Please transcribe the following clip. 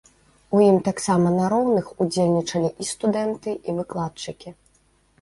У ім таксама на роўных удзельнічалі і студэнты, і выкладчыкі.